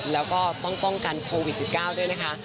แล้วก็ต้องป้องกันโควิด๑๙ด้วยนะคะ